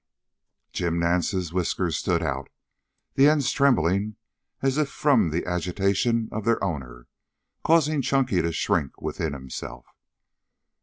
Jim Nance's whiskers stood out, the ends trembling as if from the agitation of their owner, causing Chunky to shrink within himself.